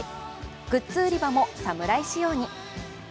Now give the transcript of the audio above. グッズ売り場も侍仕様に。